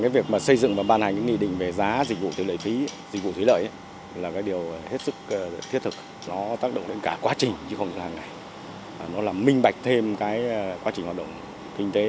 việc thiết thực tác động đến cả quá trình chứ không là ngày nó làm minh bạch thêm quá trình hoạt động kinh tế